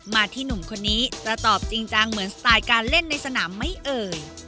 มาที่หนุ่มคนนี้จะตอบจริงจังเหมือนสไตล์การเล่นในสนามไม่เอ่ย